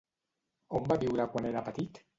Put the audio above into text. On va viure quan era petit?